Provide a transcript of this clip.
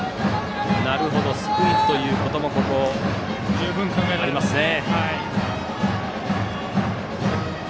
なるほど、スクイズということもここはありますね。